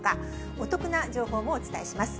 お得な情報もお伝えします。